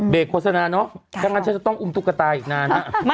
โฆษณาเนอะถ้างั้นฉันจะต้องอุ้มตุ๊กตาอีกนานนะ